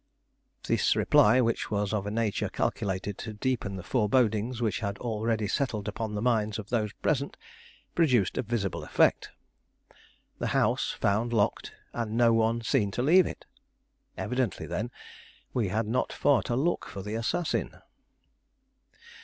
This reply, which was of a nature calculated to deepen the forebodings which had already settled upon the minds of those present, produced a visible effect. The house found locked, and no one seen to leave it! Evidently, then, we had not far to look for the assassin.